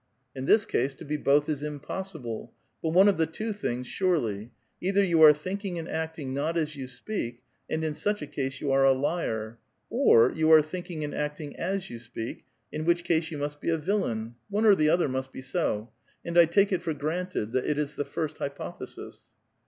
^^ In this case, to be both is impossible, but one of the two things, surely : either you are thinking and acting not as you speak, and in such a case you are a liar ; or, you are think ing and acting as 3'ou speak, in which case you must be a villain ; one or the other must be so. I take it for granted that it is the first hypothesis."